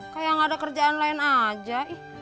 kayak gak ada kerjaan lain aja